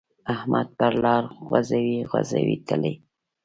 احمد پر لار غوزی غوزی تلی.